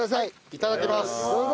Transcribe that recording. いただきます！